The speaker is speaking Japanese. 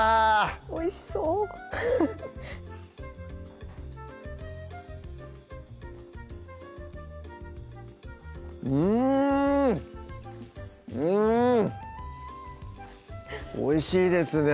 おいしそううんうん！おいしいですね